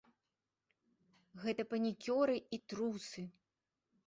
Гэта панікёры і трусы!